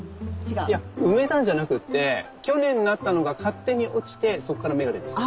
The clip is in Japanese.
いや埋めたんじゃなくて去年なったのが勝手に落ちてそっから芽が出てきた。